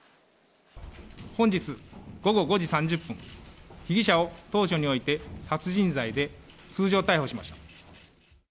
本日午後５時３０分、被疑者を当署において、殺人罪で通常逮捕しました。